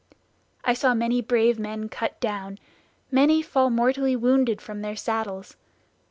I saw many brave men cut down, many fall mortally wounded from their saddles.